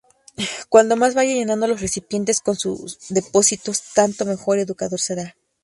Cuando más vaya llenando los recipientes con su depósitos, tanto mejor educador será.